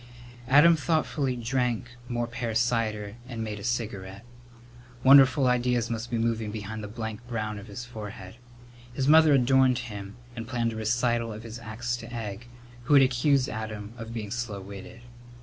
Adam thoughtfully drank more pear cider and made a cigarette. Wonderful ideas must be moving behind the blank brown of his forehead. His mother adored him and planned a recital of his acts to Egg, who had accused Adam of being slow witted.